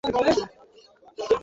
কারণ এর অধিবাসীরা জালিম।